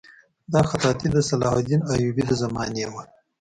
دا خطاطي د صلاح الدین ایوبي د زمانې وه.